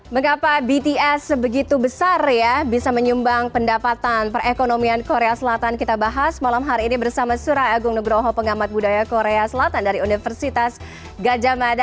mengapa bts sebegitu besar ya bisa menyumbang pendapatan perekonomian korea selatan kita bahas malam hari ini bersama surai agung nugroho pengamat budaya korea selatan dari universitas gajah mada